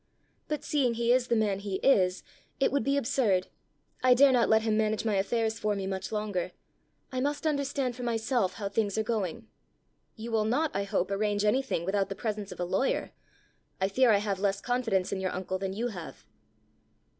But seeing he is the man he is, it would be absurd. I dare not let him manage my affairs for me much longer. I must understand for myself how things are going." "You will not, I hope, arrange anything without the presence of a lawyer! I fear I have less confidence in your uncle than you have!"